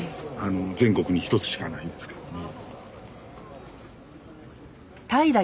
全国に一つしかないんですけども。